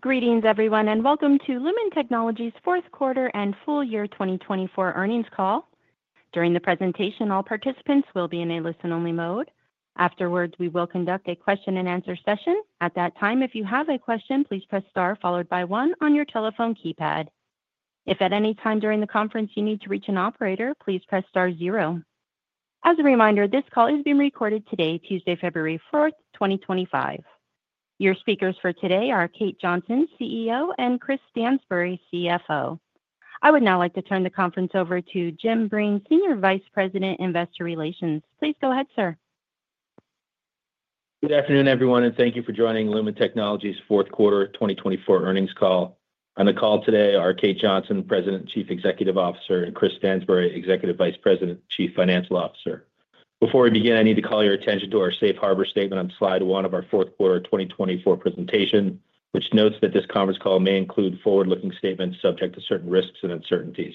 Greetings, everyone, and welcome to Lumen Technologies' Fourth Quarter and Full Year 2024 Earnings Call. During the presentation, all participants will be in a listen-only mode. Afterwards, we will conduct a question-and-answer session. At that time, if you have a question, please press star followed by one on your telephone keypad. If at any time during the conference you need to reach an operator, please press star zero. As a reminder, this call is being recorded today, Tuesday, February 4th, 2025. Your speakers for today are Kate Johnson, CEO, and Chris Stansbury, CFO. I would now like to turn the conference over to Jim Breen, Senior Vice President, Investor Relations. Please go ahead, sir. Good afternoon, everyone, and thank you for joining Lumen Technologies' Fourth Quarter 2024 Earnings Call. On the call today are Kate Johnson, President, Chief Executive Officer, and Chris Stansbury, Executive Vice President, Chief Financial Officer. Before we begin, I need to call your attention to our safe harbor statement on slide one of our fourth quarter 2024 presentation, which notes that this conference call may include forward-looking statements subject to certain risks and uncertainties.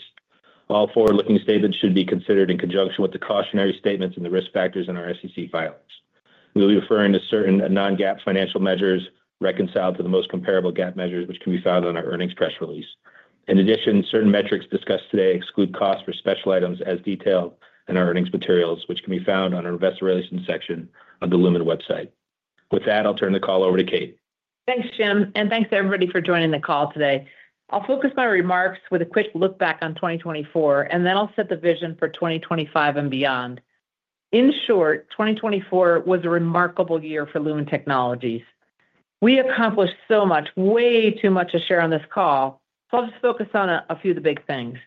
All forward-looking statements should be considered in conjunction with the cautionary statements and the risk factors in our SEC filings. We will be referring to certain non-GAAP financial measures reconciled to the most comparable GAAP measures, which can be found on our earnings press release. In addition, certain metrics discussed today exclude costs for special items as detailed in our earnings materials, which can be found on our investor relations section of the Lumen website. With that, I'll turn the call over to Kate. Thanks, Jim, and thanks to everybody for joining the call today. I'll focus my remarks with a quick look back on 2024, and then I'll set the vision for 2025 and beyond. In short, 2024 was a remarkable year for Lumen Technologies. We accomplished so much, way too much to share on this call, so I'll just focus on a few of the big things.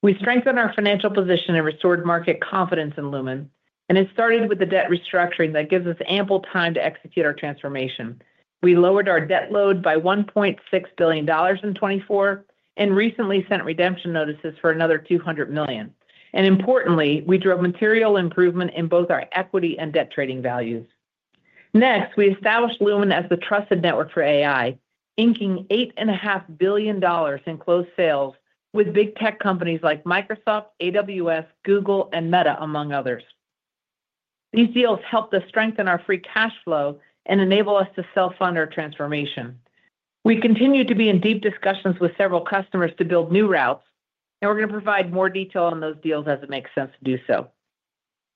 We strengthened our financial position and restored market confidence in Lumen, and it started with the debt restructuring that gives us ample time to execute our transformation. We lowered our debt load by $1.6 billion in 2024 and recently sent redemption notices for another $200 million. And importantly, we drove material improvement in both our equity and debt trading values. Next, we established Lumen as the trusted network for AI, inking $8.5 billion in closed sales with big tech companies like Microsoft, AWS, Google, and Meta, among others. These deals helped us strengthen our free cash flow and enable us to self-fund our transformation. We continue to be in deep discussions with several customers to build new routes, and we're going to provide more detail on those deals as it makes sense to do so.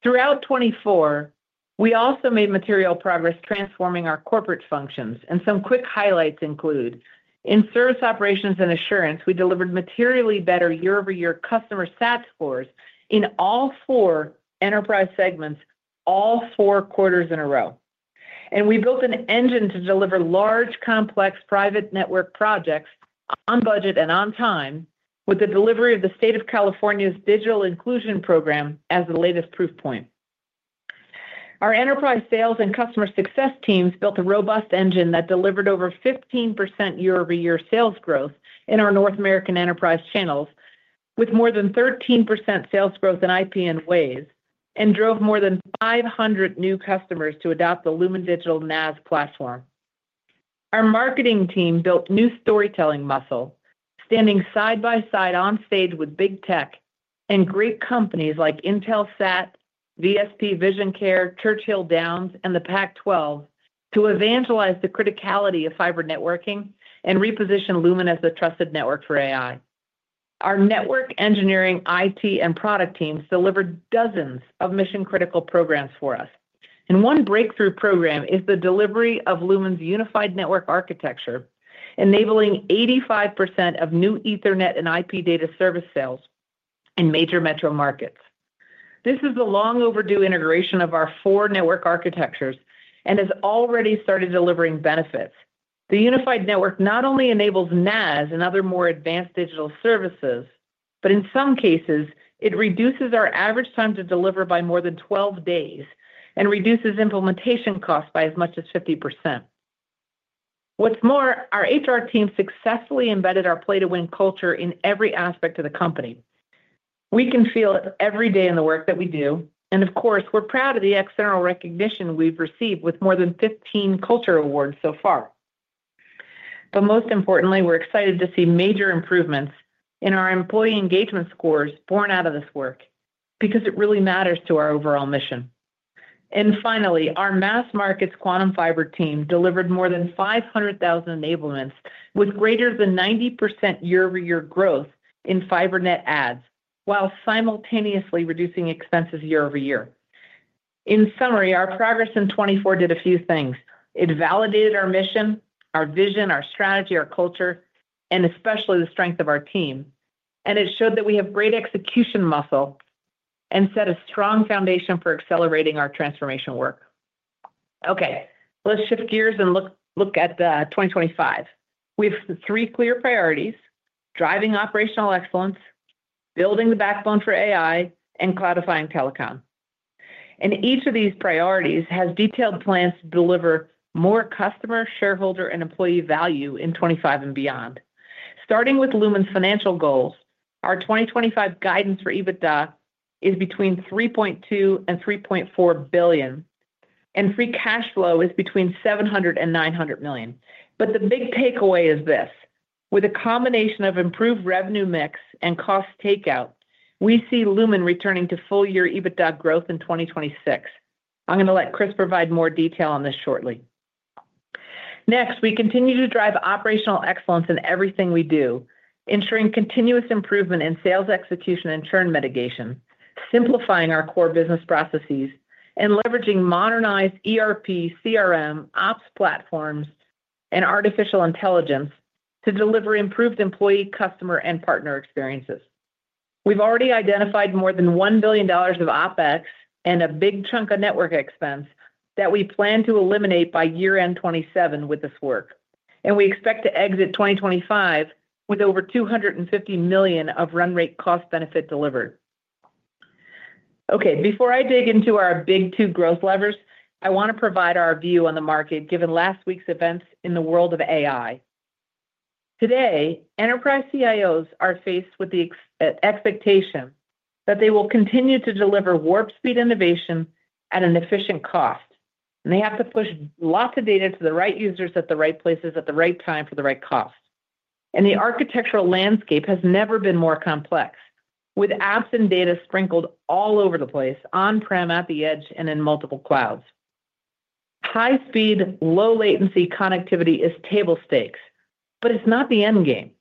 Throughout 2024, we also made material progress transforming our corporate functions, and some quick highlights include: in service operations and assurance, we delivered materially better year-over-year customer CSAT scores in all four enterprise segments all four quarters in a row, and we built an engine to deliver large, complex private network projects on budget and on time, with the delivery of the State of California's Digital Inclusion Program as the latest proof point. Our enterprise sales and customer success teams built a robust engine that delivered over 15% year-over-year sales growth in our North American enterprise channels, with more than 13% sales growth in IP and Waves, and drove more than 500 new customers to adopt the Lumen Digital NaaS platform. Our marketing team built new storytelling muscle, standing side by side on stage with big tech and great companies like Intel, SAP, VSP Vision Care, Churchill Downs, and the Pac-12 to evangelize the criticality of fiber networking and reposition Lumen as the trusted network for AI. Our network engineering, IT, and product teams delivered dozens of mission-critical programs for us, and one breakthrough program is the delivery of Lumen's unified network architecture, enabling 85% of new Ethernet and IP data service sales in major metro markets. This is the long-overdue integration of our four network architectures and has already started delivering benefits. The unified network not only enables NaaS and other more advanced digital services, but in some cases, it reduces our average time to deliver by more than 12 days and reduces implementation costs by as much as 50%. What's more, our HR team successfully embedded our play-to-win culture in every aspect of the company. We can feel it every day in the work that we do, and of course, we're proud of the external recognition we've received with more than 15 culture awards so far. But most importantly, we're excited to see major improvements in our employee engagement scores borne out of this work because it really matters to our overall mission. And finally, our Mass Markets Quantum Fiber team delivered more than 500,000 enablements with greater than 90% year-over-year growth in fiber net adds while simultaneously reducing expenses year-over-year. In summary, our progress in 2024 did a few things. It validated our mission, our vision, our strategy, our culture, and especially the strength of our team. And it showed that we have great execution muscle and set a strong foundation for accelerating our transformation work. Okay, let's shift gears and look at 2025. We have three clear priorities: driving operational excellence, building the backbone for AI, and cloudifying telecom. And each of these priorities has detailed plans to deliver more customer, shareholder, and employee value in 2025 and beyond. Starting with Lumen's financial goals, our 2025 guidance for EBITDA is between $3.2-$3.4 billion, and free cash flow is between $700-$900 million. But the big takeaway is this: with a combination of improved revenue mix and cost takeout, we see Lumen returning to full-year EBITDA growth in 2026. I'm going to let Chris provide more detail on this shortly. Next, we continue to drive operational excellence in everything we do, ensuring continuous improvement in sales execution and churn mitigation, simplifying our core business processes, and leveraging modernized ERP, CRM, ops platforms, and artificial intelligence to deliver improved employee, customer, and partner experiences. We've already identified more than $1 billion of OpEx and a big chunk of network expense that we plan to eliminate by year-end 2027 with this work, and we expect to exit 2025 with over $250 million of run rate cost benefit delivered. Okay, before I dig into our big two growth levers, I want to provide our view on the market given last week's events in the world of AI. Today, enterprise CIOs are faced with the expectation that they will continue to deliver warp speed innovation at an efficient cost, and they have to push lots of data to the right users at the right places at the right time for the right cost. And the architectural landscape has never been more complex, with apps and data sprinkled all over the place, on-prem, at the edge, and in multiple clouds. High-speed, low-latency connectivity is table stakes, but it's not the end game.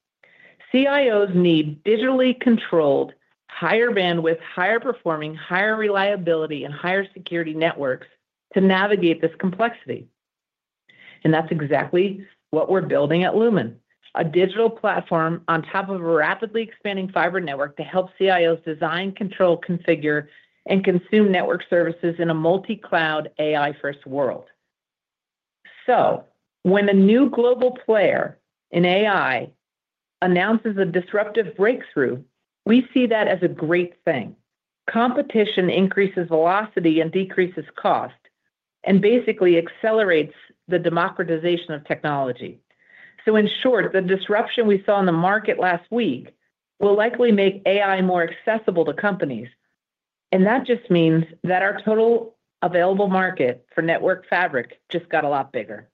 CIOs need digitally controlled, higher bandwidth, higher performing, higher reliability, and higher security networks to navigate this complexity. And that's exactly what we're building at Lumen, a digital platform on top of a rapidly expanding fiber network to help CIOs design, control, configure, and consume network services in a multi-cloud, AI-first world. So when a new global player in AI announces a disruptive breakthrough, we see that as a great thing. Competition increases velocity and decreases cost and basically accelerates the democratization of technology. So in short, the disruption we saw in the market last week will likely make AI more accessible to companies. And that just means that our total available market for network fabric just got a lot bigger.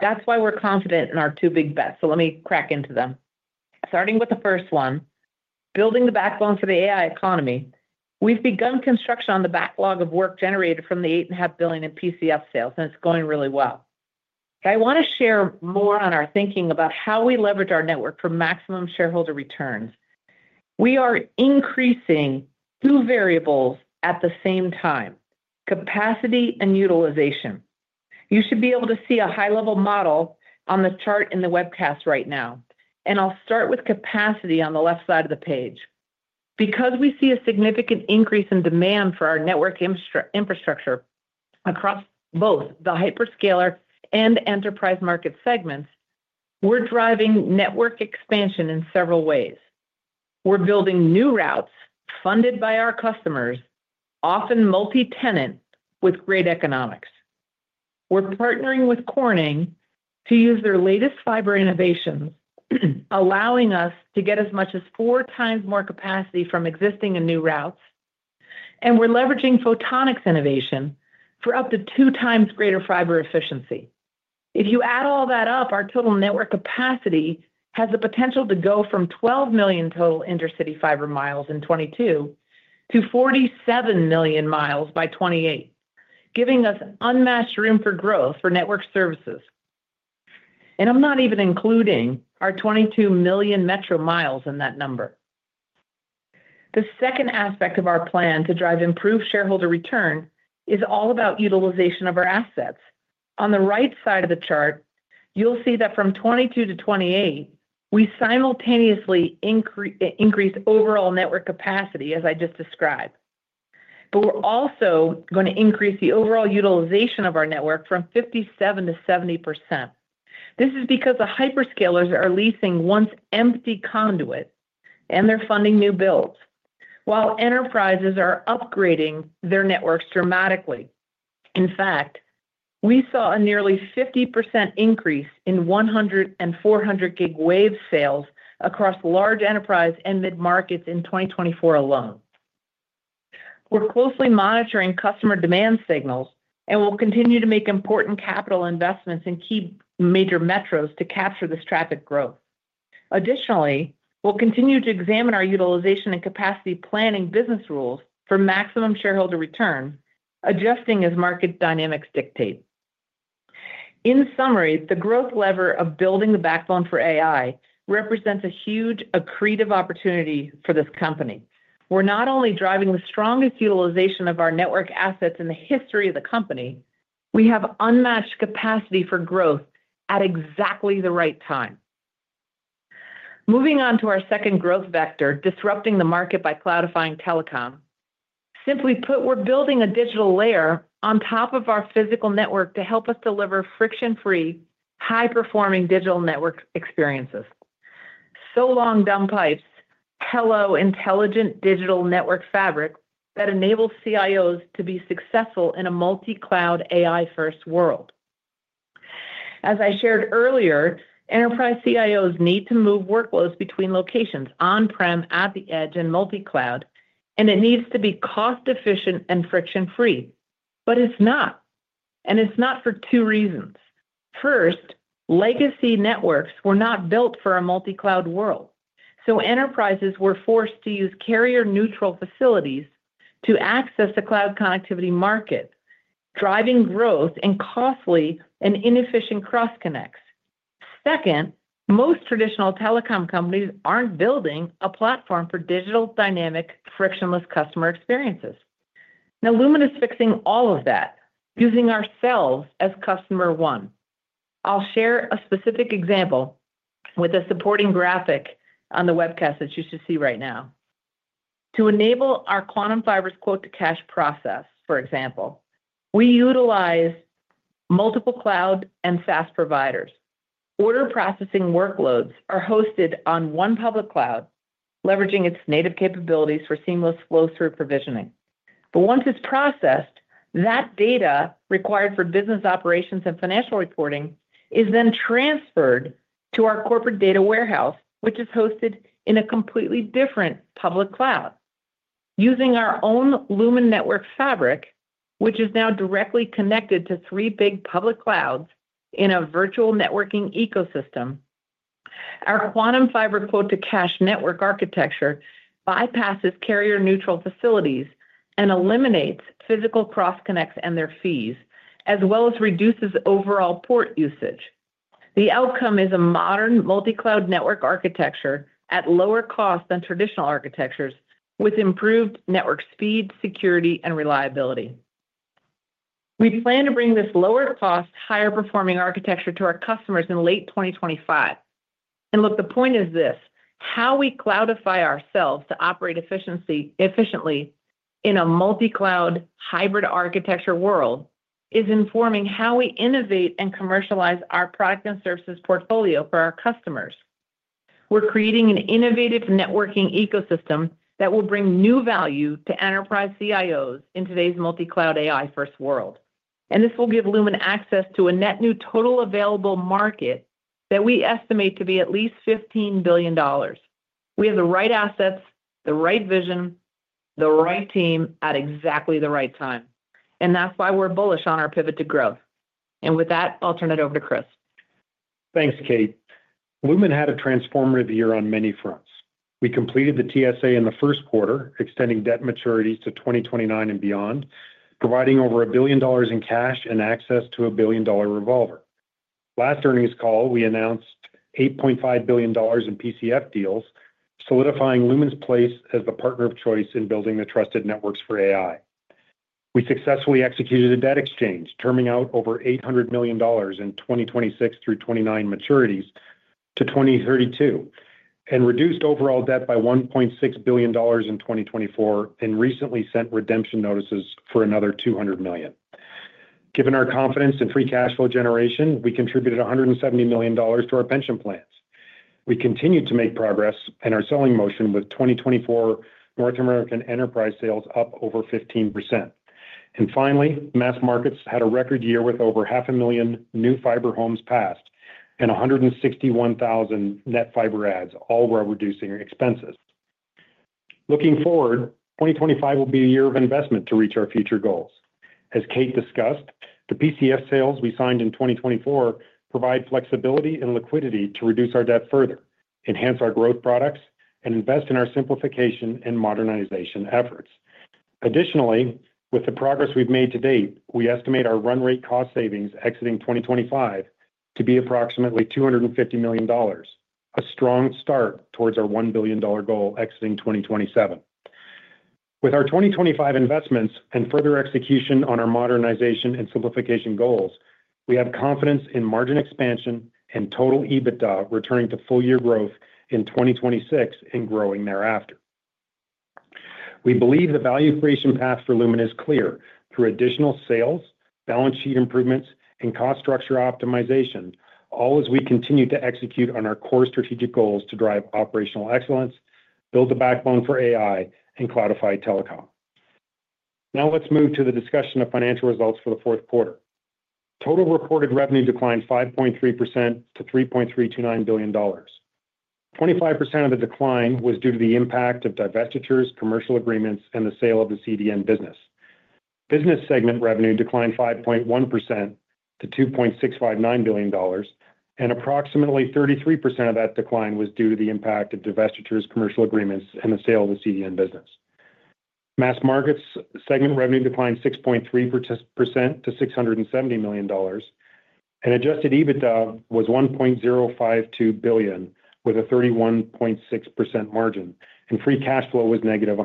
That's why we're confident in our two big bets. So let me crack into them. Starting with the first one, building the backbone for the AI economy, we've begun construction on the backlog of work generated from the $8.5 billion in PCF sales, and it's going really well. I want to share more on our thinking about how we leverage our network for maximum shareholder returns. We are increasing two variables at the same time: capacity and utilization. You should be able to see a high-level model on the chart in the webcast right now, and I'll start with capacity on the left side of the page. Because we see a significant increase in demand for our network infrastructure across both the hyperscaler and enterprise market segments, we're driving network expansion in several ways. We're building new routes funded by our customers, often multi-tenant with great economics. We're partnering with Corning to use their latest fiber innovations, allowing us to get as much as four times more capacity from existing and new routes, and we're leveraging photonics innovation for up to two times greater fiber efficiency. If you add all that up, our total network capacity has the potential to go from 12 million total intercity fiber miles in 2022 to 47 million miles by 2028, giving us unmatched room for growth for network services. And I'm not even including our 22 million metro miles in that number. The second aspect of our plan to drive improved shareholder return is all about utilization of our assets. On the right side of the chart, you'll see that from 2022 to 2028, we simultaneously increased overall network capacity, as I just described. But we're also going to increase the overall utilization of our network from 57% to 70%. This is because the hyperscalers are leasing once-empty conduit and they're funding new builds, while enterprises are upgrading their networks dramatically. In fact, we saw a nearly 50% increase in 100 Gig Wave and 400 Gig Wave sales across large enterprise and mid-markets in 2024 alone. We're closely monitoring customer demand signals, and we'll continue to make important capital investments in key major metros to capture this traffic growth. Additionally, we'll continue to examine our utilization and capacity planning business rules for maximum shareholder return, adjusting as market dynamics dictate. In summary, the growth lever of building the backbone for AI represents a huge accretive opportunity for this company. We're not only driving the strongest utilization of our network assets in the history of the company, we have unmatched capacity for growth at exactly the right time. Moving on to our second growth vector, disrupting the market by cloudifying telecom. Simply put, we're building a digital layer on top of our physical network to help us deliver friction-free, high-performing digital network experiences. So long, dumb pipes, hello, intelligent digital network fabric that enables CIOs to be successful in a multi-cloud, AI-first world. As I shared earlier, enterprise CIOs need to move workloads between locations, on-prem, at the edge, and multi-cloud, and it needs to be cost-efficient and friction-free. But it's not. And it's not for two reasons. First, legacy networks were not built for a multi-cloud world. So enterprises were forced to use carrier-neutral facilities to access the cloud connectivity market, driving growth in costly and inefficient cross-connects. Second, most traditional telecom companies aren't building a platform for digital dynamic, frictionless customer experiences. Now, Lumen is fixing all of that using ourselves as customer one. I'll share a specific example with a supporting graphic on the webcast that you should see right now. To enable our Quantum Fiber's Quote-to-Cash process, for example, we utilize multiple cloud and SaaS providers. Order processing workloads are hosted on one public cloud, leveraging its native capabilities for seamless flow-through provisioning. But once it's processed, that data required for business operations and financial reporting is then transferred to our corporate data warehouse, which is hosted in a completely different public cloud. Using our own Lumen network fabric, which is now directly connected to three big public clouds in a virtual networking ecosystem, our Quantum Fiber Quote-to-Cash network architecture bypasses carrier-neutral facilities and eliminates physical cross-connects and their fees, as well as reduces overall port usage. The outcome is a modern multi-cloud network architecture at lower cost than traditional architectures, with improved network speed, security, and reliability. We plan to bring this lower-cost, higher-performing architecture to our customers in late 2025, and look, the point is this: how we cloudify ourselves to operate efficiently in a multi-cloud, hybrid architecture world is informing how we innovate and commercialize our product and services portfolio for our customers. We're creating an innovative networking ecosystem that will bring new value to enterprise CIOs in today's multi-cloud AI-first world. And this will give Lumen access to a net new total available market that we estimate to be at least $15 billion. We have the right assets, the right vision, the right team at exactly the right time. And that's why we're bullish on our pivot to growth. And with that, I'll turn it over to Chris. Thanks, Kate. Lumen had a transformative year on many fronts. We completed the TSA in the first quarter, extending debt maturities to 2029 and beyond, providing over a billion dollars in cash and access to a billion-dollar revolver. Last earnings call, we announced $8.5 billion in PCF deals, solidifying Lumen's place as the partner of choice in building the trusted networks for AI. We successfully executed a debt exchange, terming out over $800 million in 2026 through 2029 maturities to 2032, and reduced overall debt by $1.6 billion in 2024, and recently sent redemption notices for another $200 million. Given our confidence in free cash flow generation, we contributed $170 million to our pension plans. We continued to make progress in our selling motion, with 2024 North American enterprise sales up over 15%. And finally, Mass Markets had a record year with over 500,000 new fiber homes passed and 161,000 net fiber adds, all while reducing expenses. Looking forward, 2025 will be a year of investment to reach our future goals. As Kate discussed, the PCF sales we signed in 2024 provide flexibility and liquidity to reduce our debt further, enhance our growth products, and invest in our simplification and modernization efforts. Additionally, with the progress we've made to date, we estimate our run rate cost savings exiting 2025 to be approximately $250 million, a strong start towards our $1 billion goal exiting 2027. With our 2025 investments and further execution on our modernization and simplification goals, we have confidence in margin expansion and total EBITDA returning to full-year growth in 2026 and growing thereafter. We believe the value creation path for Lumen is clear through additional sales, balance sheet improvements, and cost structure optimization, all as we continue to execute on our core strategic goals to drive operational excellence, build the backbone for AI, and cloudify telecom. Now let's move to the discussion of financial results for the fourth quarter. Total reported revenue declined 5.3% to $3.329 billion. 25% of the decline was due to the impact of divestitures, commercial agreements, and the sale of the CDN business. Business segment revenue declined 5.1% to $2.659 billion, and approximately 33% of that decline was due to the impact of divestitures, commercial agreements, and the sale of the CDN business. Mass Markets segment revenue declined 6.3% to $670 million, and Adjusted EBITDA was $1.052 billion with a 31.6% margin, and free cash flow was negative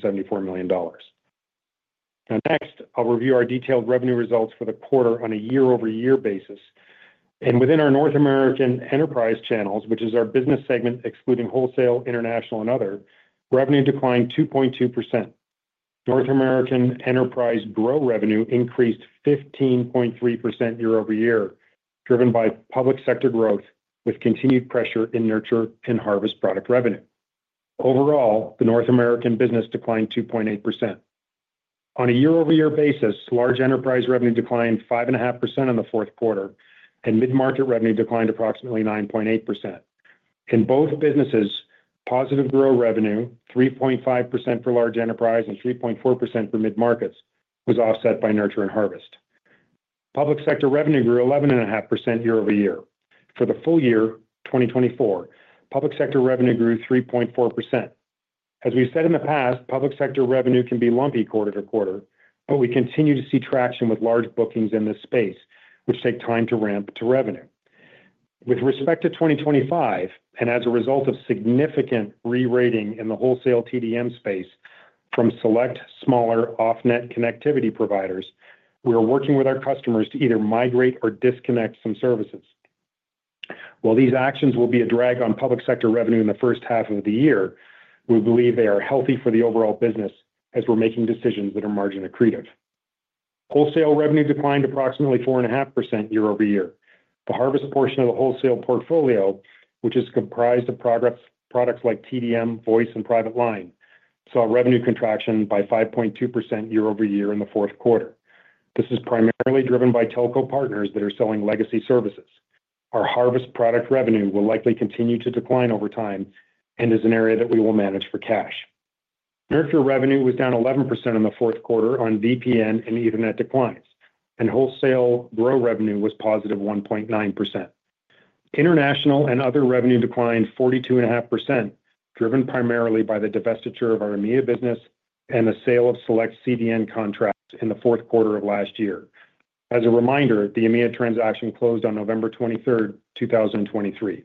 $174 million. Now, next, I'll review our detailed revenue results for the quarter on a year-over-year basis, and within our North American enterprise channels, which is our business segment excluding wholesale, international, and other, revenue declined 2.2%. North American enterprise Grow revenue increased 15.3% year-over-year, driven Public Sector growth with continued pressure in Nurture and Harvest product revenue. Overall, the North American business declined 2.8%. On a year-over-year basis, large enterprise revenue declined 5.5% in the fourth quarter, and mid-market revenue declined approximately 9.8%. In both businesses, positive Grow revenue, 3.5% for large enterprise and 3.4% for mid-markets, was offset by Nurture and Public Sector revenue grew 11.5% year-over-year. For the full year, Public Sector revenue grew 3.4%. As we've said in the Public Sector revenue can be lumpy quarter to quarter, but we continue to see traction with large bookings in this space, which take time to ramp to revenue. With respect to 2025, and as a result of significant re-rating in the wholesale TDM space from select smaller off-net connectivity providers, we are working with our customers to either migrate or disconnect some services. While these actions will be a drag Public Sector revenue in the first half of the year, we believe they are healthy for the overall business as we're making decisions that are margin accretive. Wholesale revenue declined approximately 4.5% year-over-year. The harvest portion of the wholesale portfolio, which is comprised of products like TDM, voice, and private line, saw revenue contraction by 5.2% year-over-year in the fourth quarter. This is primarily driven by telco partners that are selling legacy services. Our harvest product revenue will likely continue to decline over time and is an area that we will manage for cash. Nurture revenue was down 11% in the fourth quarter on VPN and Ethernet declines, and wholesale grow revenue was positive 1.9%. International and other revenue declined 42.5%, driven primarily by the divestiture of our EMEA business and the sale of select CDN contracts in the fourth quarter of last year. As a reminder, the EMEA transaction closed on November 23rd, 2023.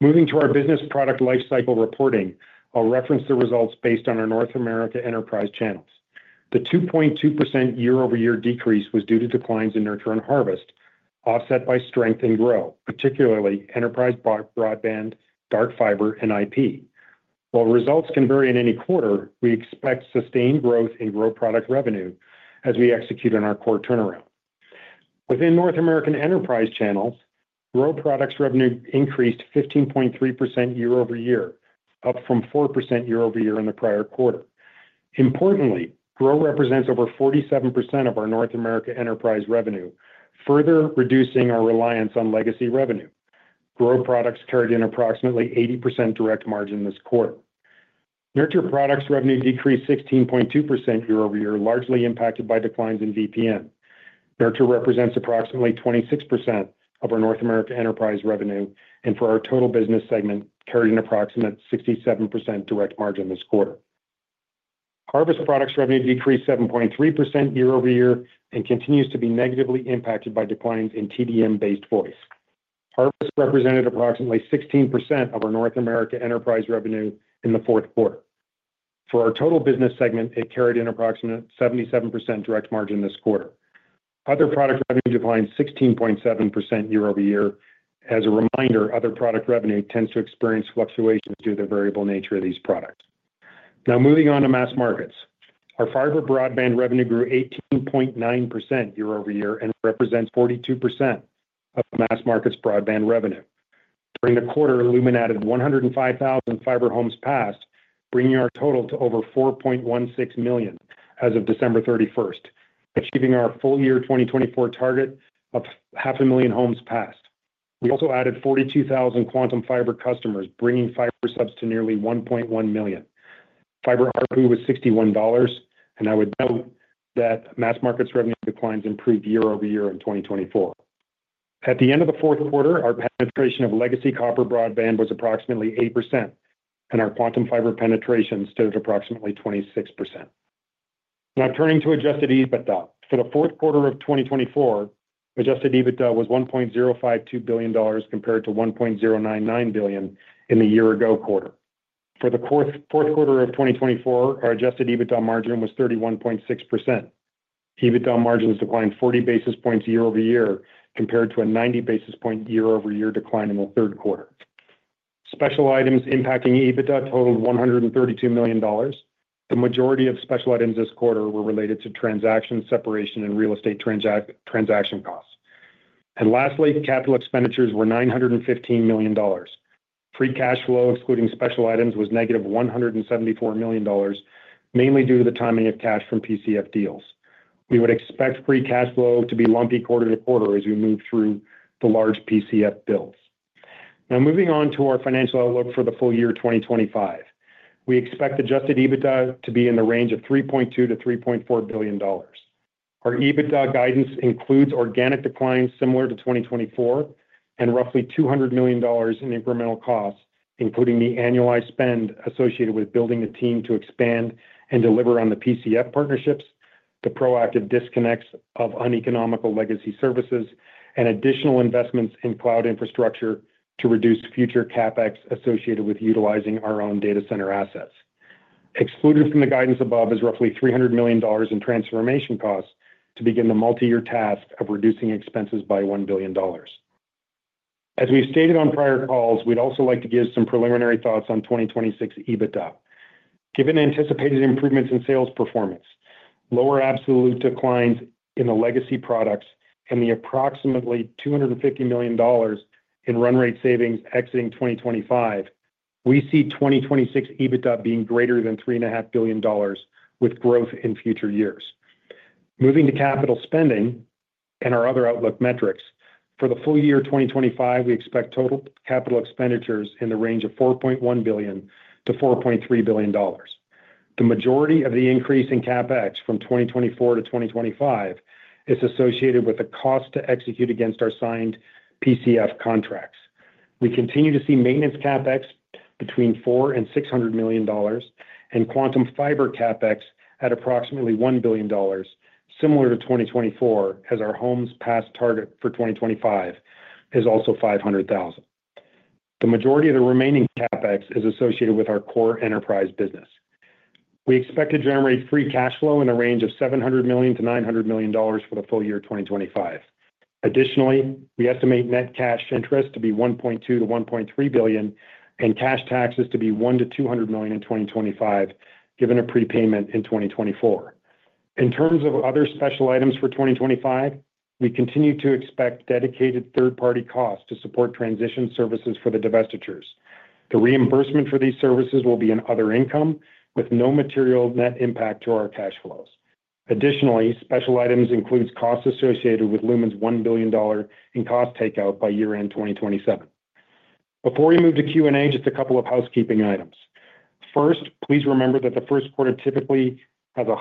Moving to our business product lifecycle reporting, I'll reference the results based on our North America enterprise channels. The 2.2% year-over-year decrease was due to declines in nurture and harvest, offset by strength in grow, particularly enterprise broadband, dark fiber, and IP. While results can vary in any quarter, we expect sustained growth in grow product revenue as we execute on our core turnaround. Within North America enterprise channels, grow products revenue increased 15.3% year-over-year, up from 4% year-over-year in the prior quarter. Importantly, grow represents over 47% of our North America enterprise revenue, further reducing our reliance on legacy revenue. Grow products carried an approximately 80% direct margin this quarter. Nurture products revenue decreased 16.2% year-over-year, largely impacted by declines in VPN. Nurture represents approximately 26% of our North America enterprise revenue, and for our total business segment, carried an approximate 67% direct margin this quarter. Harvest products revenue decreased 7.3% year-over-year and continues to be negatively impacted by declines in TDM-based voice. Harvest represented approximately 16% of our North America enterprise revenue in the fourth quarter. For our total business segment, it carried an approximate 77% direct margin this quarter. Other product revenue declined 16.7% year-over-year. As a reminder, other product revenue tends to experience fluctuations due to the variable nature of these products. Now moving on to Mass Markets. Our fiber broadband revenue grew 18.9% year-over-year and represents 42% of Mass Markets broadband revenue. During the quarter, Lumen added 105,000 fiber homes passed, bringing our total to over 4.16 million as of December 31st, achieving our full year 2024 target of 500,000 homes passed. We also added 42,000 Quantum Fiber customers, bringing fiber subs to nearly 1.1 million. Fiber ARPU was $61, and I would note that Mass Markets revenue declines improved year-over-year in 2024. At the end of the fourth quarter, our penetration of legacy copper broadband was approximately 8%, and our Quantum Fiber penetration stood at approximately 26%. Now turning to Adjusted EBITDA. For the fourth quarter of 2024, Adjusted EBITDA was $1.052 billion compared to $1.099 billion in the year-ago quarter. For the fourth quarter of 2024, our Adjusted EBITDA margin was 31.6%. EBITDA margins declined 40 basis points year-over-year compared to a 90 basis point year-over-year decline in the third quarter. Special items impacting EBITDA totaled $132 million. The majority of special items this quarter were related to transaction separation and real estate transaction costs. And lastly, capital expenditures were $915 million. Free cash flow, excluding special items, was negative $174 million, mainly due to the timing of cash from PCF deals. We would expect Free Cash Flow to be lumpy quarter to quarter as we move through the large PCF builds. Now moving on to our financial outlook for the full year 2025. We expect Adjusted EBITDA to be in the range of $3.2-$3.4 billion. Our EBITDA guidance includes organic declines similar to 2024 and roughly $200 million in incremental costs, including the annualized spend associated with building a team to expand and deliver on the PCF partnerships, the proactive disconnects of uneconomical legacy services, and additional investments in cloud infrastructure to reduce future CapEx associated with utilizing our own data center assets. Excluded from the guidance above is roughly $300 million in transformation costs to begin the multi-year task of reducing expenses by $1 billion. As we've stated on prior calls, we'd also like to give some preliminary thoughts on 2026 EBITDA. Given anticipated improvements in sales performance, lower absolute declines in the legacy products, and the approximately $250 million in run rate savings exiting 2025, we see 2026 EBITDA being greater than $3.5 billion with growth in future years. Moving to capital spending and our other outlook metrics, for the full year 2025, we expect total capital expenditures in the range of $4.1 billion-$4.3 billion. The majority of the increase in CapEx from 2024 to 2025 is associated with the cost to execute against our signed PCF contracts. We continue to see maintenance CapEx between $400 million and $600 million and Quantum Fiber CapEx at approximately $1 billion, similar to 2024, as our homes passed target for 2025 is also 500,000. The majority of the remaining CapEx is associated with our core enterprise business. We expect to generate free cash flow in the range of $700 million-$900 million for the full year 2025. Additionally, we estimate net cash interest to be $1.2-$1.3 billion and cash taxes to be $1-$200 million in 2025, given a prepayment in 2024. In terms of other special items for 2025, we continue to expect dedicated third-party costs to support transition services for the divestitures. The reimbursement for these services will be an other income with no material net impact to our cash flows. Additionally, special items include costs associated with Lumen's $1 billion in cost takeout by year-end 2027. Before we move to Q&A, just a couple of housekeeping items. First, please remember that the first quarter typically has a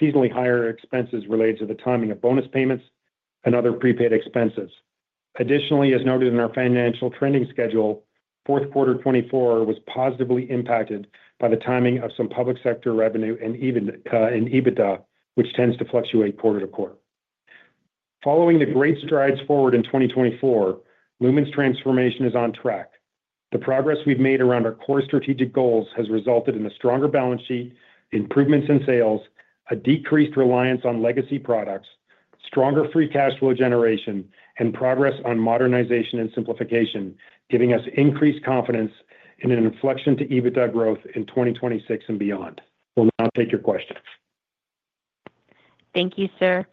seasonally higher expenses related to the timing of bonus payments and other prepaid expenses. Additionally, as noted in our financial trending schedule, fourth quarter 2024 was positively impacted by the timing of Public Sector revenue and EBITDA, which tends to fluctuate quarter to quarter. Following the great strides forward in 2024, Lumen's transformation is on track. The progress we've made around our core strategic goals has resulted in a stronger balance sheet, improvements in sales, a decreased reliance on legacy products, stronger free cash flow generation, and progress on modernization and simplification, giving us increased confidence in an inflection to EBITDA growth in 2026 and beyond. We'll now take your questions. Thank you, sir.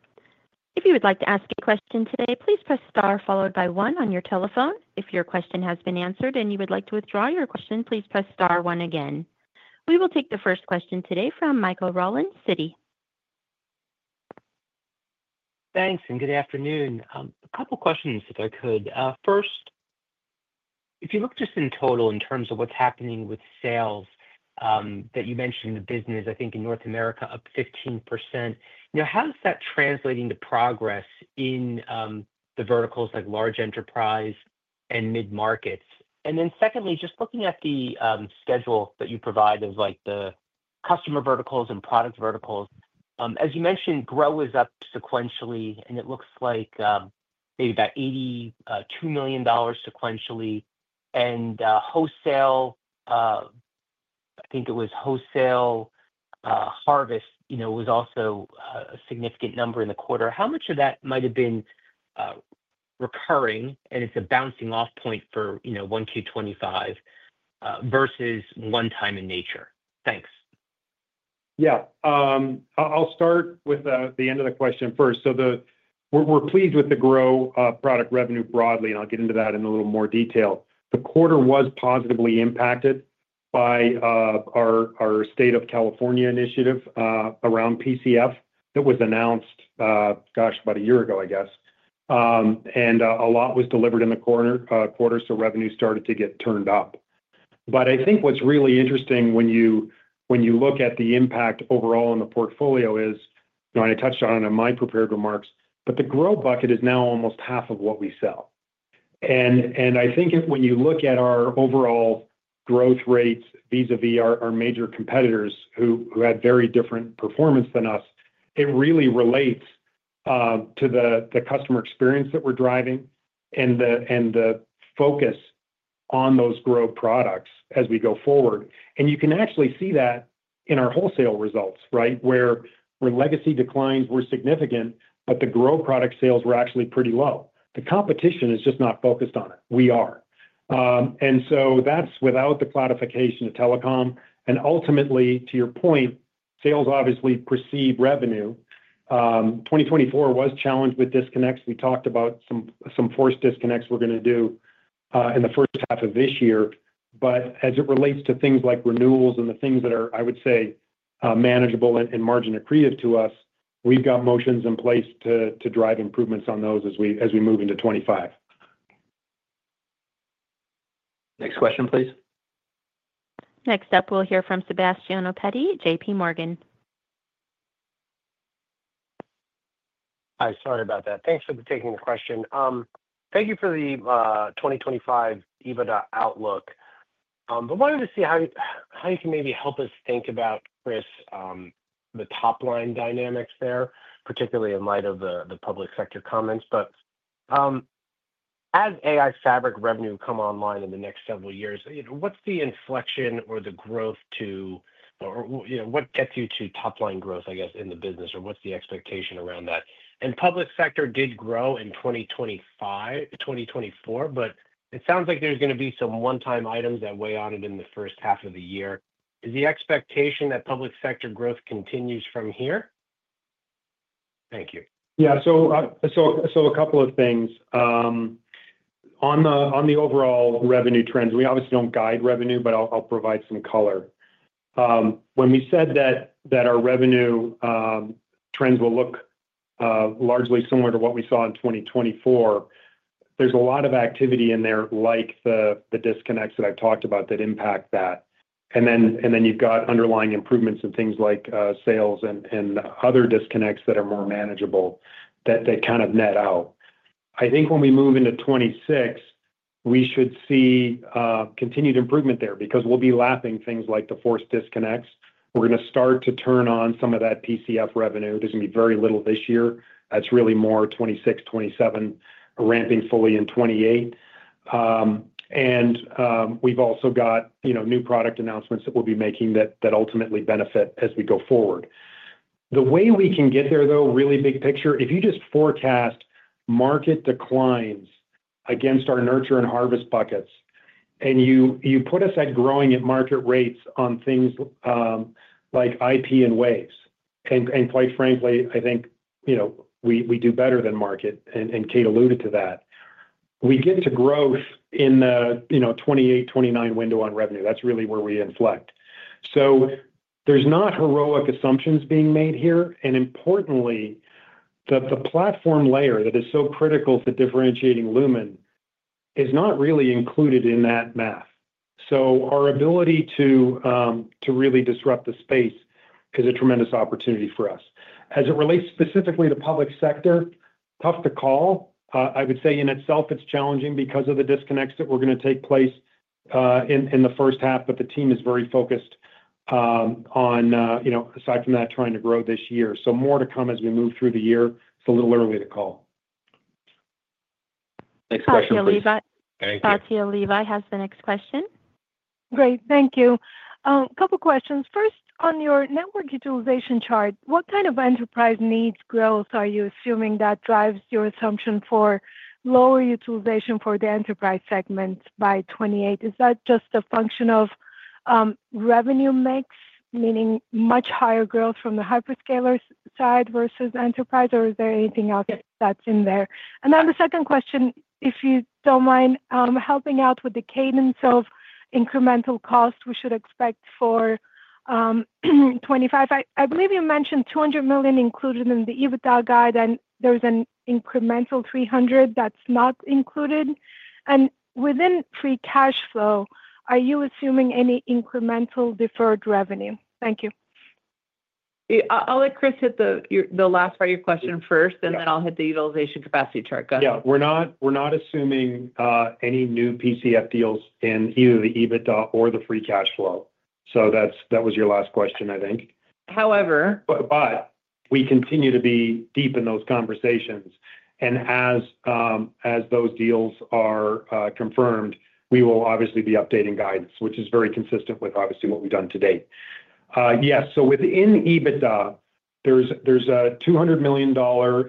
If you would like to ask a question today, please press star followed by one on your telephone. If your question has been answered and you would like to withdraw your question, please press star one again. We will take the first question today from Michael Rollins, Citi. Thanks, and good afternoon. A couple of questions, if I could. First, if you look just in total in terms of what's happening with sales that you mentioned in the business, I think in North America, up 15%. Now, how is that translating to progress in the verticals like large enterprise and mid-markets? And then secondly, just looking at the schedule that you provide of the customer verticals and product verticals, as you mentioned, Grow is up sequentially, and it looks like maybe about $82 million sequentially. And wholesale, I think it was wholesale Harvest, was also a significant number in the quarter. How much of that might have been recurring, and it's a bouncing-off point for Q1 2025 versus one-time in nature? Thanks. Yeah. I'll start with the end of the question first. So we're pleased with the Grow product revenue broadly, and I'll get into that in a little more detail. The quarter was positively impacted by our State of California initiative around PCF that was announced, gosh, about a year ago, I guess. And a lot was delivered in the quarter, so revenue started to get turned up. But I think what's really interesting when you look at the impact overall on the portfolio is, and I touched on it in my prepared remarks, but the Grow bucket is now almost half of what we sell. And I think when you look at our overall growth rates vis-à-vis our major competitors who had very different performance than us, it really relates to the customer experience that we're driving and the focus on those Grow products as we go forward. And you can actually see that in our wholesale results, right, where legacy declines were significant, but the grow product sales were actually pretty low. The competition is just not focused on it. We are. And so that's without the clarification of telecom. And ultimately, to your point, sales obviously perceive revenue. 2024 was challenged with disconnects. We talked about some forced disconnects we're going to do in the first half of this year. But as it relates to things like renewals and the things that are, I would say, manageable and margin accretive to us, we've got motions in place to drive improvements on those as we move into 2025. Next question, please. Next up, we'll hear from Sebastiano Petti, J.P. Morgan. Hi, sorry about that. Thanks for taking the question. Thank you for the 2025 EBITDA outlook. But wanted to see how you can maybe help us think about, Chris, the top-line dynamics there, particularly in light of Public Sector comments. But as AI fabric revenue come online in the next several years, what's the inflection or the growth to, or what gets you to top-line growth, I guess, in the business, or what's the expectation around that? Public Sector did grow in 2024, but it sounds like there's going to be some one-time items that weigh on it in the first half of the year. Is the expectation Public Sector growth continues from here? Thank you. Yeah. A couple of things. On the overall revenue trends, we obviously don't guide revenue, but I'll provide some color. When we said that our revenue trends will look largely similar to what we saw in 2024, there's a lot of activity in there, like the disconnects that I've talked about that impact that, and then you've got underlying improvements in things like sales and other disconnects that are more manageable that they kind of net out. I think when we move into 2026, we should see continued improvement there because we'll be lapping things like the forced disconnects. We're going to start to turn on some of that PCF revenue. There's going to be very little this year. That's really more 2026, 2027, ramping fully in 2028, and we've also got new product announcements that we'll be making that ultimately benefit as we go forward. The way we can get there, though, really big picture, if you just forecast market declines against our nurture and harvest buckets, and you put us at growing at market rates on things like IP and Waves. Quite frankly, I think we do better than market, and Kate alluded to that. We get to growth in the 2028, 2029 window on revenue. That's really where we inflect. So there's not heroic assumptions being made here. Importantly, the platform layer that is so critical to differentiating Lumen is not really included in that math. Our ability to really disrupt the space is a tremendous opportunity for us. As it relates specifically Public Sector, tough to call. I would say in itself, it's challenging because of the disconnects that are going to take place in the first half, but the team is very focused on, aside from that, trying to grow this year. So more to come as we move through the year. It's a little early to call. Next question, please. Thank you. Batya Levi has the next question. Great. Thank you. A couple of questions. First, on your network utilization chart, what kind of enterprise needs growth are you assuming that drives your assumption for lower utilization for the enterprise segment by 2028? Is that just a function of revenue mix, meaning much higher growth from the hyperscalers side versus enterprise, or is there anything else that's in there? Then the second question, if you don't mind helping out with the cadence of incremental costs we should expect for 2025, I believe you mentioned $200 million included in the EBITDA guide, and there's an incremental $300 that's not included. And within free cash flow, are you assuming any incremental deferred revenue? Thank you. I'll let Chris hit the last part of your question first, and then I'll hit the utilization capacity chart. Go ahead. Yeah. We're not assuming any new PCF deals in either the EBITDA or the free cash flow. So that was your last question, I think. But we continue to be deep in those conversations. And as those deals are confirmed, we will obviously be updating guidance, which is very consistent with obviously what we've done to date. Yes. So within EBITDA, there's a $200 million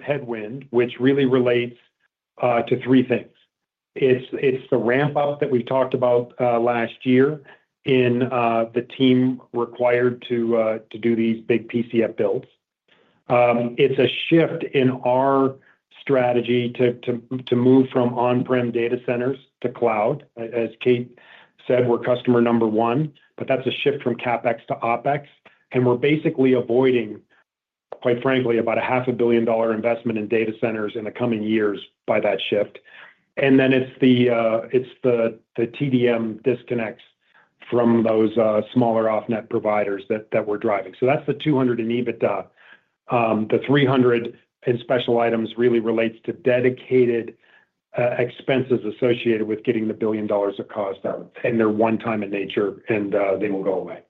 headwind, which really relates to three things. It's the ramp-up that we've talked about last year in the team required to do these big PCF builds. It's a shift in our strategy to move from on-prem data centers to cloud. As Kate said, we're customer number one, but that's a shift from CapEx to OpEx. And we're basically avoiding, quite frankly, about a $500 million investment in data centers in the coming years by that shift. And then it's the TDM disconnects from those smaller off-net providers that we're driving. So that's the $200 in EBITDA. The $300 in special items really relates to dedicated expenses associated with getting the $1 billion of cost out. And they're one-time in nature, and they will go away.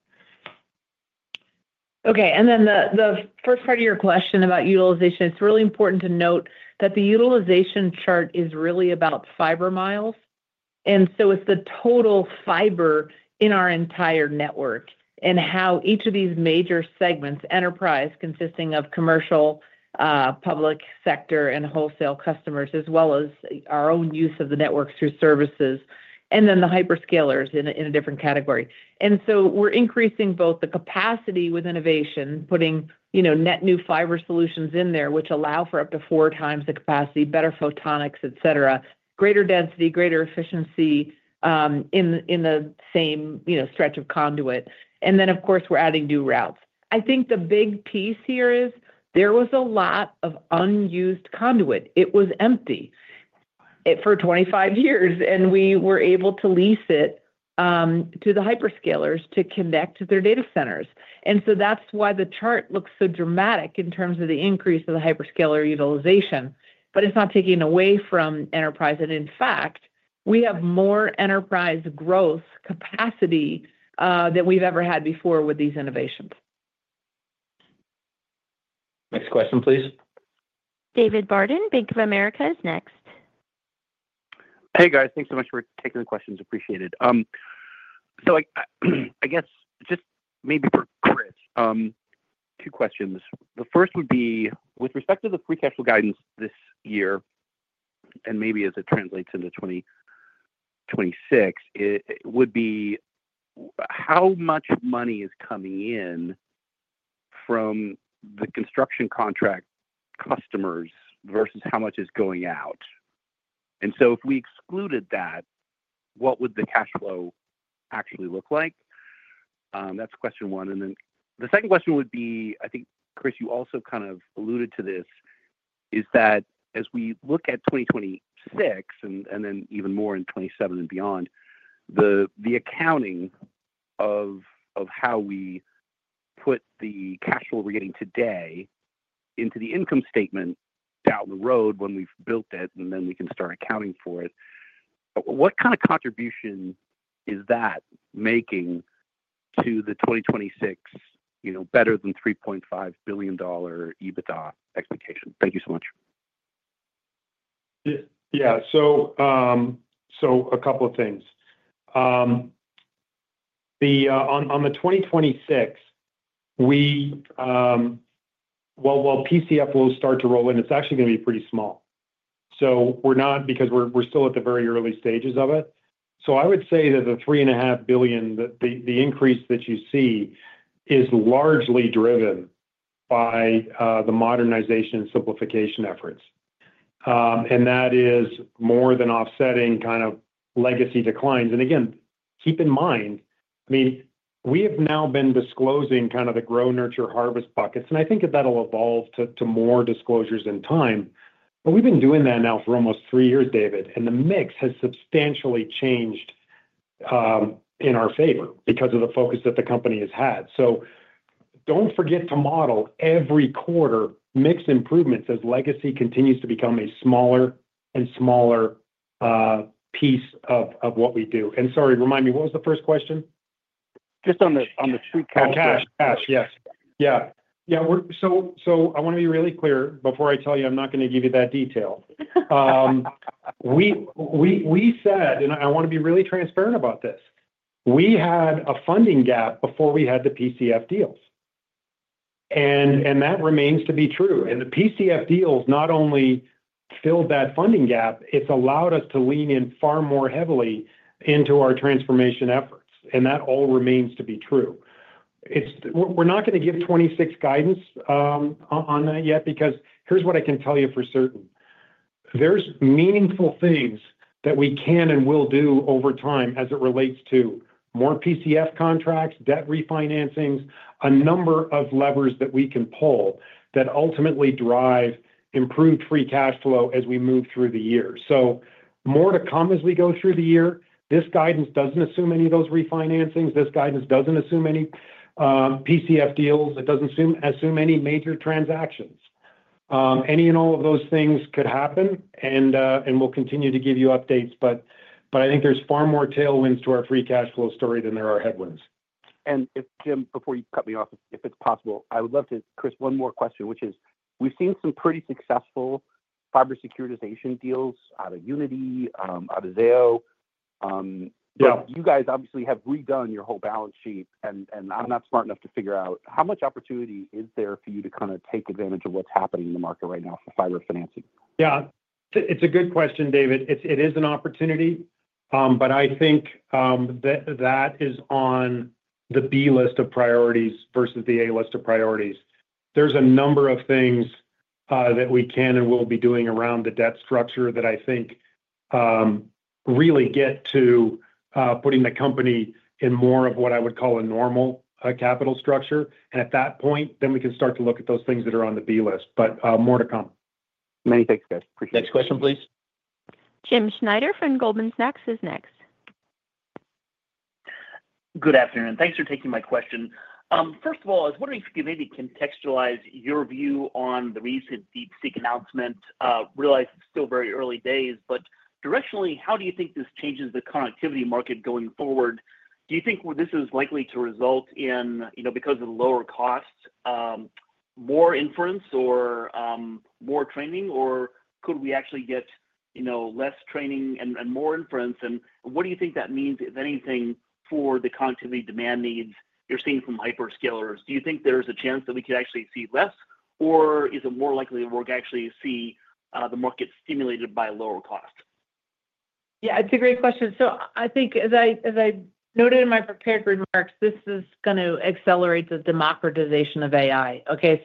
Okay. And then the first part of your question about utilization, it's really important to note that the utilization chart is really about fiber miles. And so it's the total fiber in our entire network and how each of these major segments, enterprise consisting of Public Sector, and wholesale customers, as well as our own use of the network through services, and then the hyperscalers in a different category. And so we're increasing both the capacity with innovation, putting net new fiber solutions in there, which allow for up to four times the capacity, better photonics, etc., greater density, greater efficiency in the same stretch of conduit. And then, of course, we're adding new routes. I think the big piece here is there was a lot of unused conduit. It was empty for 25 years, and we were able to lease it to the hyperscalers to connect to their data centers. And so that's why the chart looks so dramatic in terms of the increase of the hyperscaler utilization, but it's not taking away from enterprise. And in fact, we have more enterprise growth capacity than we've ever had before with these innovations. Next question, please. David Barden, Bank of America is next. Hey, guys. Thanks so much for taking the questions. Appreciate it. So I guess just maybe for Chris, two questions. The first would be, with respect to the free cash flow guidance this year, and maybe as it translates into 2026, it would be how much money is coming in from the construction contract customers versus how much is going out? And so if we excluded that, what would the cash flow actually look like? That's question one. And then the second question would be, I think, Chris, you also kind of alluded to this, is that as we look at 2026, and then even more in 2027 and beyond, the accounting of how we put the cash flow we're getting today into the income statement down the road when we've built it, and then we can start accounting for it, what kind of contribution is that making to the 2026 better than $3.5 billion EBITDA expectation? Thank you so much. Yeah. A couple of things. On 2026, while PCF will start to roll in, it's actually going to be pretty small. Because we're still at the very early stages of it. I would say that the $3.5 billion, the increase that you see, is largely driven by the modernization and simplification efforts. That is more than offsetting kind of legacy declines. Again, keep in mind, I mean, we have now been disclosing kind of the Grow, Nurture, Harvest buckets. I think that that'll evolve to more disclosures in time. We've been doing that now for almost three years, David, and the mix has substantially changed in our favor because of the focus that the company has had. Don't forget to model every quarter mixed improvements as legacy continues to become a smaller and smaller piece of what we do. Sorry, remind me, what was the first question? Just on the street cash. On cash, yes. Yeah. Yeah. I want to be really clear before I tell you I'm not going to give you that detail. We said, and I want to be really transparent about this, we had a funding gap before we had the PCF deals. And that remains to be true. And the PCF deals not only filled that funding gap, it's allowed us to lean in far more heavily into our transformation efforts. And that all remains to be true. We're not going to give 2026 guidance on that yet because here's what I can tell you for certain. There's meaningful things that we can and will do over time as it relates to more PCF contracts, debt refinancings, a number of levers that we can pull that ultimately drive improved free cash flow as we move through the year. So more to come as we go through the year. This guidance doesn't assume any of those refinancings. This guidance doesn't assume any PCF deals. It doesn't assume any major transactions. Any and all of those things could happen, and we'll continue to give you updates. But I think there's far more tailwinds to our free cash flow story than there are headwinds. And Jim, before you cut me off, if it's possible, I would love to, Chris, one more question, which is we've seen some pretty successful fiber securitization deals out of Uniti, out of Zayo. You guys obviously have redone your whole balance sheet, and I'm not smart enough to figure out how much opportunity is there for you to kind of take advantage of what's happening in the market right now for fiber financing? Yeah. It's a good question, David. It is an opportunity, but I think that is on the B list of priorities versus the A list of priorities. There's a number of things that we can and will be doing around the debt structure that I think really get to putting the company in more of what I would call a normal capital structure. And at that point, then we can start to look at those things that are on the B list. But more to come. Many thanks, guys. Appreciate it. Next question, please. Jim Schneider from Goldman Sachs is next. Good afternoon. Thanks for taking my question. First of all, I was wondering if you could maybe contextualize your view on the recent DeepSeek announcement. Realize it's still very early days, but directionally, how do you think this changes the connectivity market going forward? Do you think this is likely to result in, because of the lower costs, more inference or more training, or could we actually get less training and more inference? What do you think that means, if anything, for the connectivity demand needs you're seeing from hyperscalers? Do you think there's a chance that we could actually see less, or is it more likely that we'll actually see the market stimulated by lower cost? Yeah. It's a great question. I think, as I noted in my prepared remarks, this is going to accelerate the democratization of AI. Okay.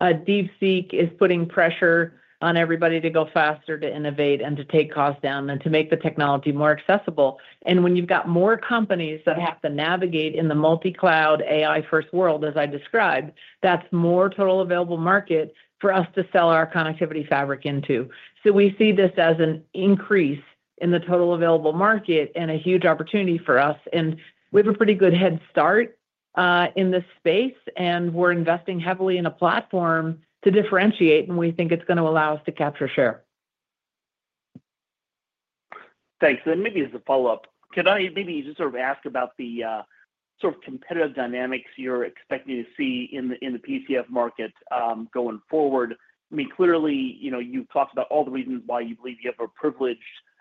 DeepSeek is putting pressure on everybody to go faster, to innovate, and to take costs down, and to make the technology more accessible. When you've got more companies that have to navigate in the multi-cloud AI-first world, as I described, that's more total available market for us to sell our connectivity fabric into. We see this as an increase in the total available market and a huge opportunity for us. We have a pretty good head start in this space, and we're investing heavily in a platform to differentiate, and we think it's going to allow us to capture share. Thanks. Maybe as a follow-up, can I maybe just sort of ask about the sort of competitive dynamics you're expecting to see in the PCF market going forward? I mean, clearly, you've talked about all the reasons why you believe you have a privileged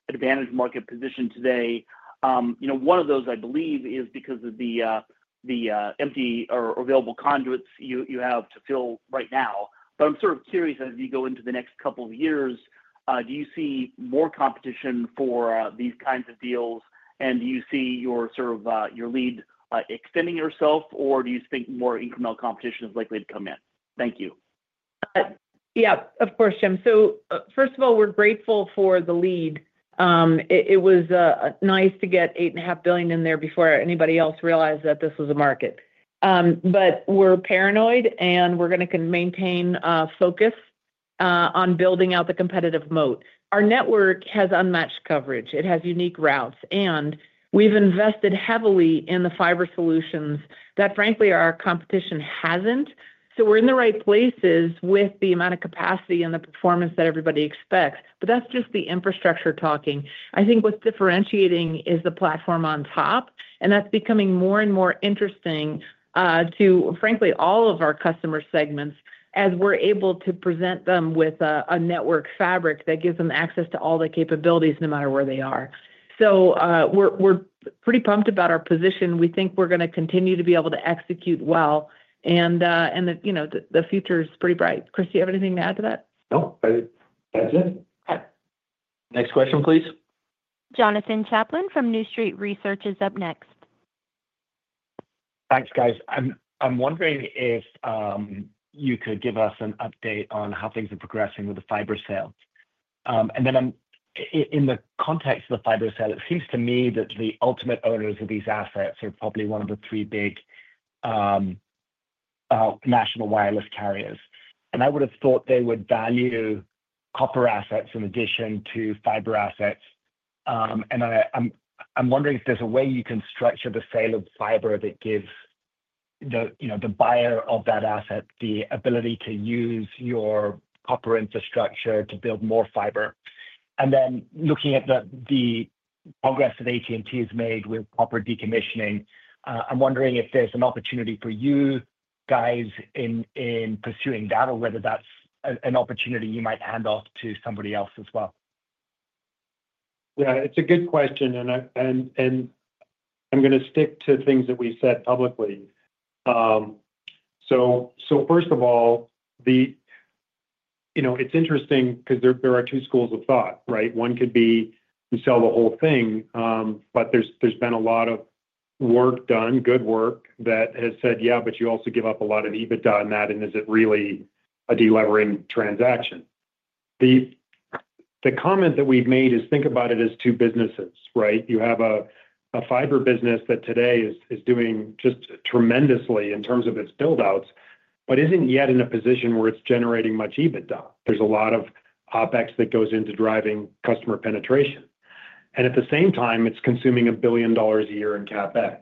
advantage market position today. One of those, I believe, is because of the empty or available conduits you have to fill right now. But I'm sort of curious, as you go into the next couple of years, do you see more competition for these kinds of deals, and do you see your lead extending yourself, or do you think more incremental competition is likely to come in? Thank you. Yeah. Of course, Jim. First of all, we're grateful for the lead. It was nice to get $8.5 billion in there before anybody else realized that this was a market. We're paranoid, and we're going to maintain focus on building out the competitive moat. Our network has unmatched coverage. It has unique routes, and we've invested heavily in the fiber solutions that, frankly, our competition hasn't. We're in the right places with the amount of capacity and the performance that everybody expects. That's just the infrastructure talking. I think what's differentiating is the platform on top, and that's becoming more and more interesting to, frankly, all of our customer segments as we're able to present them with a network fabric that gives them access to all the capabilities no matter where they are. We're pretty pumped about our position. We think we're going to continue to be able to execute well, and the future is pretty bright. Chris, do you have anything to add to that? Nope. That's it. Next question, please. Jonathan Chaplin from New Street Research is up next. Thanks, guys. I'm wondering if you could give us an update on how things are progressing with the fiber sales. And then in the context of the fiber sale, it seems to me that the ultimate owners of these assets are probably one of the three big national wireless carriers. And I would have thought they would value copper assets in addition to fiber assets. And I'm wondering if there's a way you can structure the sale of fiber that gives the buyer of that asset the ability to use your copper infrastructure to build more fiber. And then looking at the progress that AT&T has made with copper decommissioning, I'm wondering if there's an opportunity for you guys in pursuing that, or whether that's an opportunity you might hand off to somebody else as well. Yeah. It's a good question, and I'm going to stick to things that we said publicly. So first of all, it's interesting because there are two schools of thought, right? One could be you sell the whole thing, but there's been a lot of work done, good work, that has said, "Yeah, but you also give up a lot of EBITDA on that, and is it really a deleveraging transaction?" The comment that we've made is think about it as two businesses, right? You have a fiber business that today is doing just tremendously in terms of its buildouts, but isn't yet in a position where it's generating much EBITDA. There's a lot of OpEx that goes into driving customer penetration. And at the same time, it's consuming $1 billion a year in CapEx.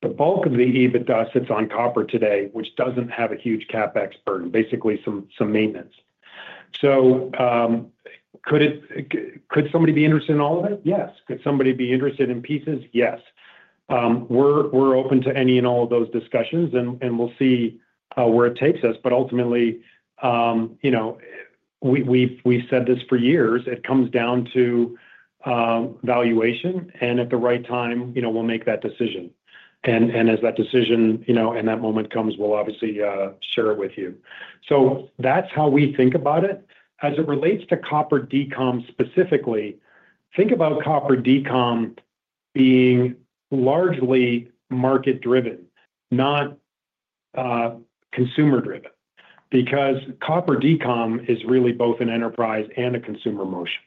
The bulk of the EBITDA sits on copper today, which doesn't have a huge CapEx burden, basically some maintenance. So could somebody be interested in all of it? Yes. Could somebody be interested in pieces? Yes. We're open to any and all of those discussions, and we'll see where it takes us. But ultimately, we've said this for years, it comes down to valuation, and at the right time, we'll make that decision. And as that decision and that moment comes, we'll obviously share it with you. So that's how we think about it. As it relates to copper decomm specifically, think about copper decomm being largely market-driven, not consumer-driven, because copper decomm is really both an enterprise and a consumer motion.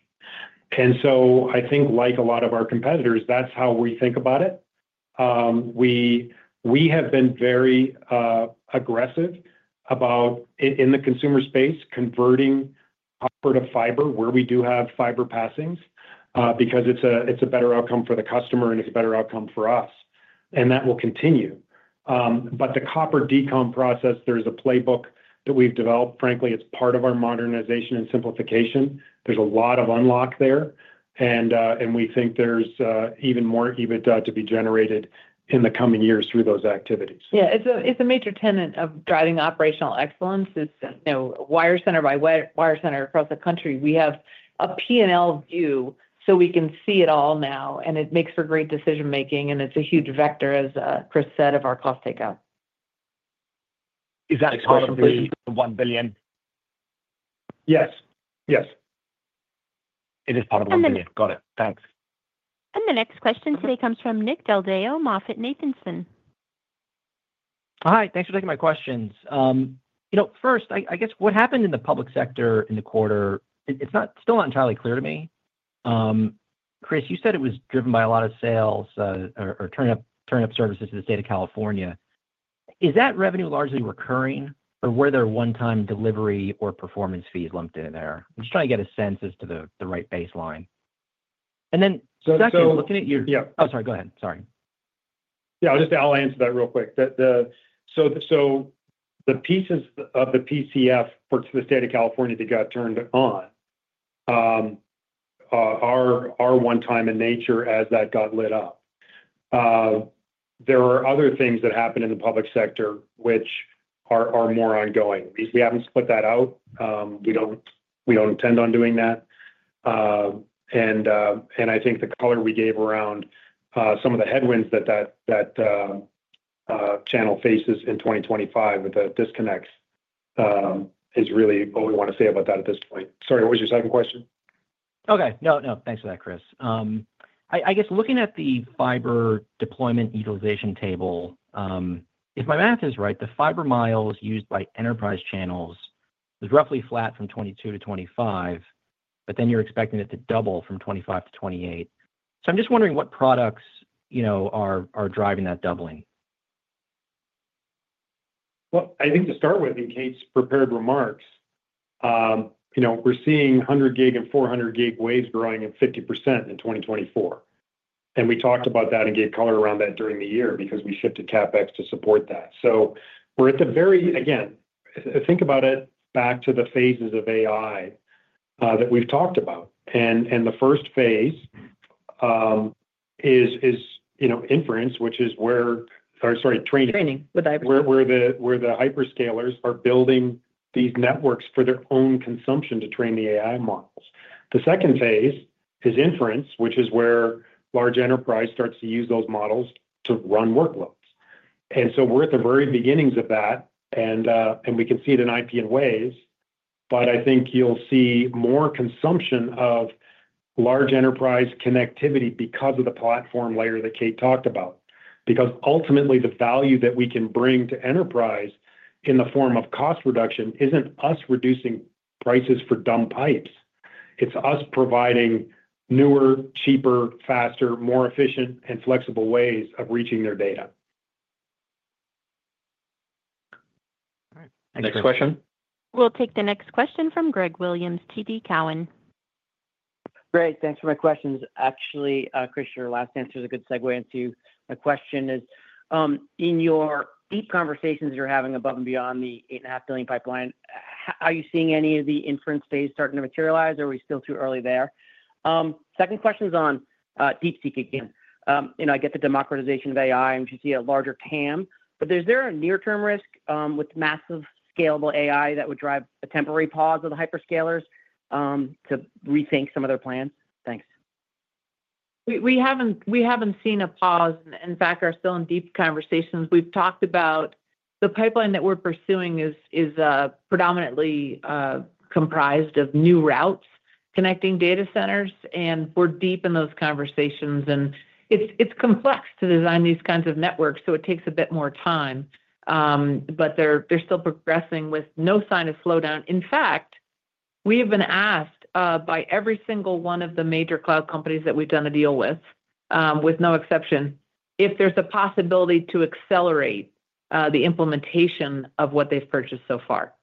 And so I think, like a lot of our competitors, that's how we think about it. We have been very aggressive about, in the consumer space, converting copper to fiber where we do have fiber passings because it's a better outcome for the customer, and it's a better outcome for us. And that will continue. But the copper decomm process, there is a playbook that we've developed. Frankly, it's part of our modernization and simplification. There's a lot of unlock there, and we think there's even more EBITDA to be generated in the coming years through those activities. Yeah. It's a major tenet of driving operational excellence. It's wire center by wire center across the country. We have a P&L view, so we can see it all now, and it makes for great decision-making, and it's a huge vector, as Chris said, of our cost takeout. Is that part of the one billion? Yes. Yes. It is part of one billion. Got it. Thanks. And the next question today comes from Nick Del Deo, MoffettNathanson. Hi. Thanks for taking my questions. First, I guess what happened in Public Sector in the quarter. It's still not entirely clear to me. Chris, you said it was driven by a lot of sales or turning up services to the State of California. Is that revenue largely recurring, or were there one-time delivery or performance fees lumped in there? I'm just trying to get a sense as to the right baseline. And then exactly looking at your - oh, sorry. Go ahead. Sorry. Yeah. I'll answer that real quick. So the pieces of the PCF for the State of California that got turned on are one-time in nature as that got lit up. There are other things that happen in Public Sector which are more ongoing. We haven't split that out. We don't intend on doing that. And I think the color we gave around some of the headwinds that that channel faces in 2025 with the disconnects is really all we want to say about that at this point. Sorry. What was your second question? Okay. No, no. Thanks for that, Chris. I guess looking at the fiber deployment utilization table, if my math is right, the fiber miles used by enterprise channels is roughly flat from 2022 to 2025, but then you're expecting it to double from 2025 to 2028. So I'm just wondering what products are driving that doubling. Well, I think to start with, in our prepared remarks, we're seeing 100-gig and 400-gig waves growing at 50% in 2024. And we talked about that and gave color around that during the year because we shifted CapEx to support that. So we're at the very, again, think about it back to the phases of AI that we've talked about. And the first phase is inference, which is where, sorry, training. Training with AI. Where the hyperscalers are building these networks for their own consumption to train the AI models. The second phase is inference, which is where large enterprise starts to use those models to run workloads. And so we're at the very beginnings of that, and we can see it in IP and waves. But I think you'll see more consumption of large enterprise connectivity because of the platform layer that Kate talked about. Because ultimately, the value that we can bring to enterprise in the form of cost reduction isn't us reducing prices for dumb pipes. It's us providing newer, cheaper, faster, more efficient, and flexible ways of reaching their data. All right. Next question. We'll take the next question from Greg Williams, TD Cowen. Great. Thanks for taking my questions. Actually, Chris, your last answer is a good segue into my question, in your deep conversations you're having above and beyond the $8.5 billion pipeline, are you seeing any of the inference phase starting to materialize, or are we still too early there? Second question is on DeepSeek again. I get the democratization of AI, and we should see a larger TAM. But is there a near-term risk with massive scalable AI that would drive a temporary pause of the hyperscalers to rethink some of their plans? Thanks. We haven't seen a pause. In fact, we're still in deep conversations. We've talked about the pipeline that we're pursuing is predominantly comprised of new routes connecting data centers, and we're deep in those conversations. And it's complex to design these kinds of networks, so it takes a bit more time. But they're still progressing with no sign of slowdown. In fact, we have been asked by every single one of the major cloud companies that we've done a deal with, with no exception, if there's a possibility to accelerate the implementation of what they've purchased so far.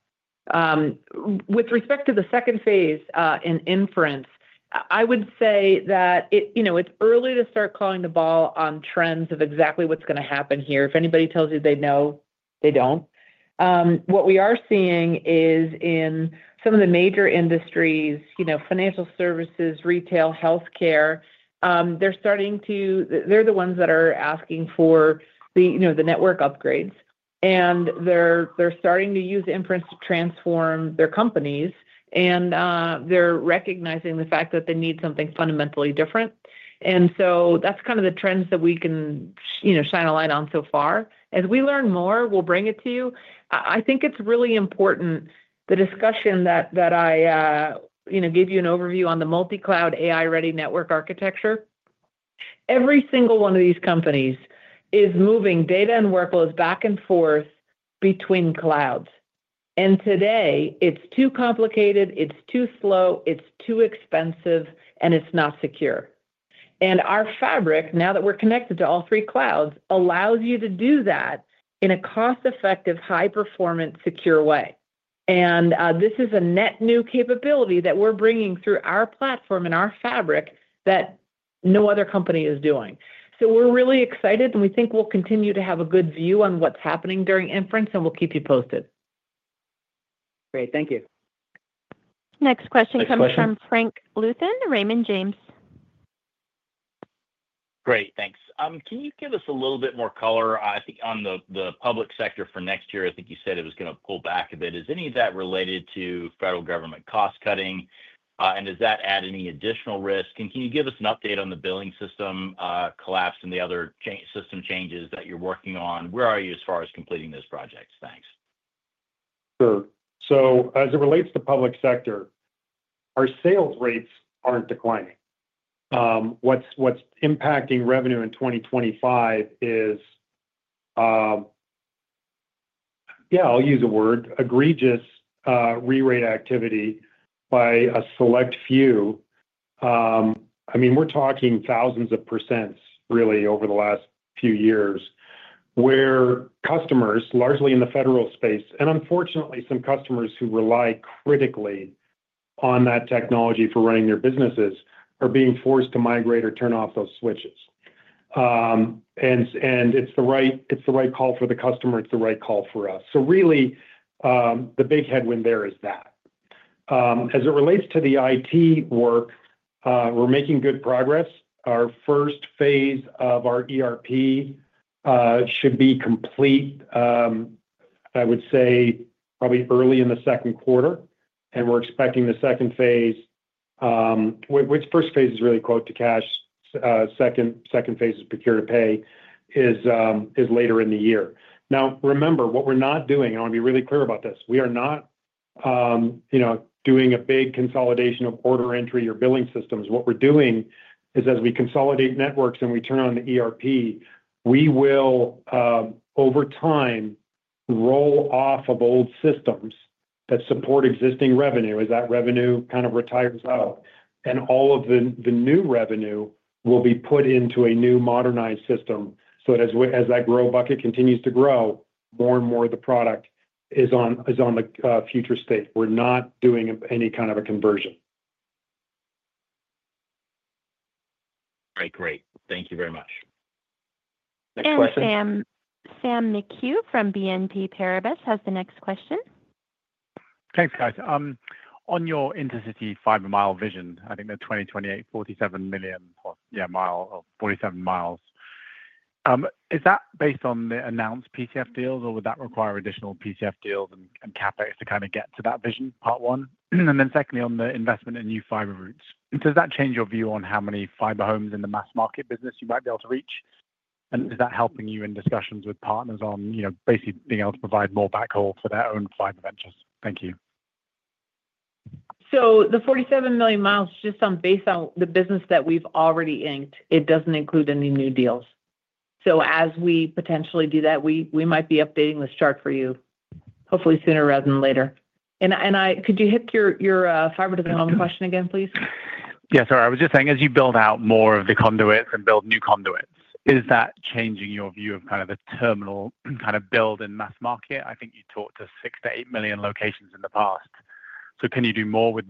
With respect to the second phase in inference, I would say that it's early to start calling the ball on trends of exactly what's going to happen here. If anybody tells you they know, they don't. What we are seeing is in some of the major industries, financial services, retail, healthcare, they're starting to, they're the ones that are asking for the network upgrades. And they're starting to use inference to transform their companies, and they're recognizing the fact that they need something fundamentally different. And so that's kind of the trends that we can shine a light on so far. As we learn more, we'll bring it to you. I think it's really important, the discussion that I gave you an overview on the multi-cloud AI-ready network architecture. Every single one of these companies is moving data and workloads back and forth between clouds. And today, it's too complicated, it's too slow, it's too expensive, and it's not secure. And our fabric, now that we're connected to all three clouds, allows you to do that in a cost-effective, high-performance, secure way. And this is a net new capability that we're bringing through our platform and our fabric that no other company is doing. So we're really excited, and we think we'll continue to have a good view on what's happening during inference, and we'll keep you posted. Great. Thank you. Next question comes from Frank Louthan, Raymond James. Great. Thanks. Can you give us a little bit more color on Public Sector for next year? I think you said it was going to pull back a bit. Is any of that related to federal government cost cutting, and does that add any additional risk? And can you give us an update on the billing system collapse and the other system changes that you're working on? Where are you as far as completing those projects? Thanks. Sure. So as it relates Public Sector, our sales rates aren't declining. What's impacting revenue in 2025 is, yeah, I'll use a word, egregious re-rate activity by a select few. I mean, we're talking thousands of %, really, over the last few years where customers, largely in the federal space, and unfortunately, some customers who rely critically on that technology for running their businesses are being forced to migrate or turn off those switches. And it's the right call for the customer. It's the right call for us. So really, the big headwind there is that. As it relates to the IT work, we're making good progress. Our first phase of our ERP should be complete, I would say, probably early in the second quarter. And we're expecting the second phase, which first phase is really quote to cash. Second phase is procure to pay is later in the year. Now, remember, what we're not doing, and I want to be really clear about this, we are not doing a big consolidation of order entry or billing systems. What we're doing is, as we consolidate networks and we turn on the ERP, we will, over time, roll off of old systems that support existing revenue as that revenue kind of retires out, and all of the new revenue will be put into a new modernized system, so as that Grow bucket continues to grow, more and more of the product is on the future state. We're not doing any kind of a conversion. All right. Great. Thank you very much. Next question. Sam McHugh from BNP Paribas has the next question. Thanks, guys. On your intercity fiber mile vision, I think the 2028 47 million miles of fiber, is that based on the announced PCF deals, or would that require additional PCF deals and CapEx to kind of get to that vision, part one? And then, secondly, on the investment in new fiber routes, does that change your view on how many fiber homes in the mass market business you might be able to reach? And is that helping you in discussions with partners on basically being able to provide more backhaul for their own fiber ventures? Thank you. So the 47 million miles is just based on the business that we've already inked. It doesn't include any new deals. So as we potentially do that, we might be updating this chart for you, hopefully sooner rather than later. And could you hit your fiber to the home question again, please? Yeah. Sorry. I was just saying, as you build out more of the conduits and build new conduits, is that changing your view of kind of the terminal kind of build in mass market? I think you talked to six to eight million locations in the past. So can you do more with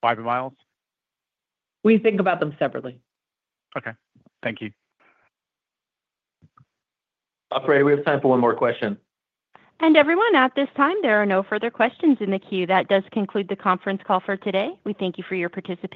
fiber miles? We think about them separately. Okay. Thank you. Upgrade. We have time for one more question, and everyone, at this time, there are no further questions in the queue. That does conclude the conference call for today. We thank you for your participation.